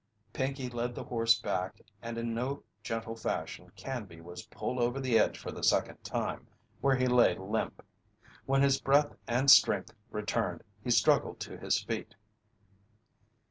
Pinkey led the horse back and in no gentle fashion Canby was pulled over the edge for the second time, where he lay limp. When his breath and strength returned he struggled to his feet.